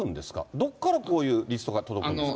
どこからこういうリストが届くんですか。